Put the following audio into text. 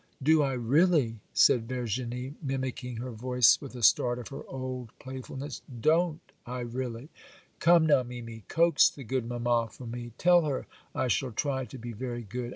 'Do I really?' said Virginie, mimicking her voice with a start of her old playfulness; 'don't I really? Come now, mimi, coax the good mamma for me, tell her I shall try to be very good.